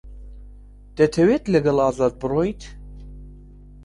دەتەوێت لەگەڵ ئازاد بڕۆیت؟